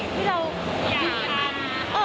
ถูกได้ประมาณสองวันมันมีความรู้สึกแบบ